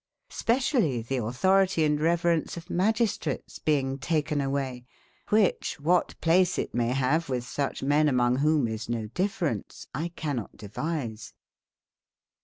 Specially e tbe autbori tye and reverence of magistrates beinge taken awaye, wbicbe, wbat place it maye bavewitb sucbmen amongewbomeisno difference, I cannot devise.